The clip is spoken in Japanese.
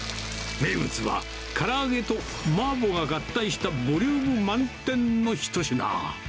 名物はから揚げとマーボーが合体したボリューム満点の一品。